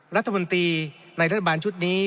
รัฐมนตรีในรัฐบาลชุดนี้